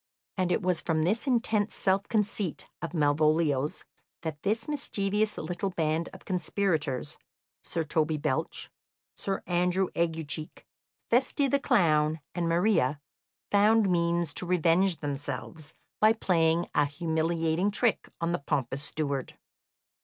And it was from this intense self conceit of Malvolio's that this mischievous little band of conspirators Sir Toby Belch, Sir Andrew Aguecheek, Feste the clown, and Maria found means to revenge themselves by playing a humiliating trick on the pompous steward.